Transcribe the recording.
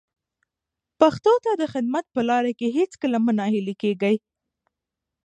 پښتو ته د خدمت په لاره کې هیڅکله مه ناهیلي کېږئ.